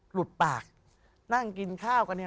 หลุดปากนั่งกินข้าวกันเนี่ย